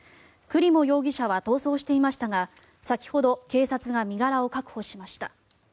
クリモ容疑者は逃走していましたが先ほど警察が身柄を確保しました。